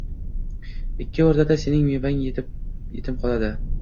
ikki o’rtada sening mevang yetim qoladi.